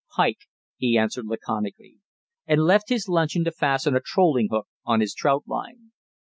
"Pike," he answered laconically, and left his luncheon to fasten a trolling hook on his trout line.